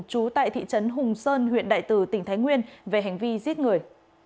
trú tại thị trấn hùng sơn huyện đại từ tỉnh thái nguyên về hành vi giết người